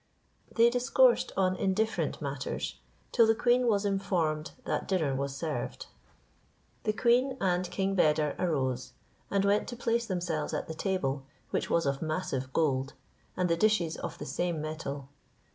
They discoursed of indifferent matters, till the queen was informed that dinner was served. The queen and King Beder arose, and went to place themselves at the table, which was of massive gold, and the dishes of the same metal.